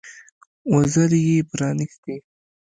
وزرې يې پرانيستې.